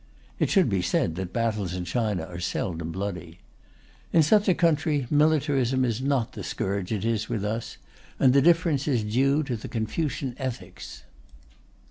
(It should be said that battles in China are seldom bloody.) In such a country, militarism is not the scourge it is with us; and the difference is due to the Confucian ethics.